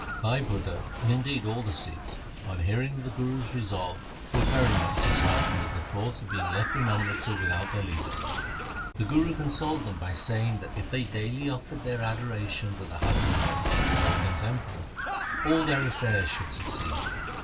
Bhai Budha, and indeed all the Sikhs, on hearing of the Guru's resolve, were very much disheartened at the thought of being left in Amritsar without their leader. The Guru consoled them by saying that if they daily offered their adorations at the Har Mandar or Golden Temple, all their affairs should succeed.